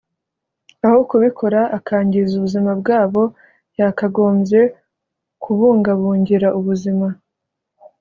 aho kubikora akangiza ubuzima bw’abo yakagombye kubungabungira ubuzima